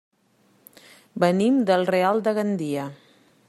Venim del Real de Gandia.